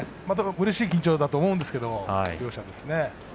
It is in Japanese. うれしい緊張だと思うんですけれど、両者ですね。